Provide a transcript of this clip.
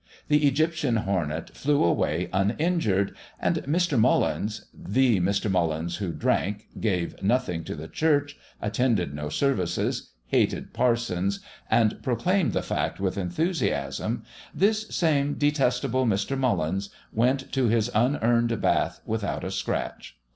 The Egyptian hornet flew away uninjured, and Mr. Mullins the Mr. Mullins who drank, gave nothing to the church, attended no services, hated parsons, and proclaimed the fact with enthusiasm this same detestable Mr. Mullins went to his unearned bath without a scratch.